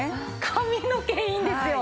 髪の毛いいんですよ！